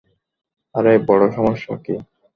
আরে বড় সমস্যা কি?